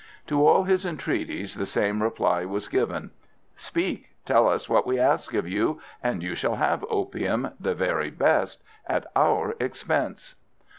To all his entreaties the same reply was given: "Speak! tell us what we ask of you, and you shall have opium the very best at our expense."